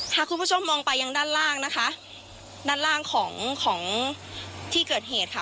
ถ้าคุณผู้ชมมองไปยังด้านล่างนะคะด้านล่างของของที่เกิดเหตุค่ะ